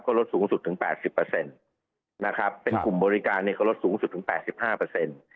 ก็ลดสูงสุดถึงแปดสิบเปอร์เซ็นต์นะครับเป็นกลุ่มบริการเนี่ยก็ลดสูงสุดถึง๘๕เปอร์เซ็นต์